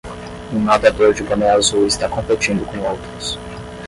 Um nadador de boné azul está competindo com outros.